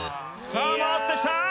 さあ回ってきた！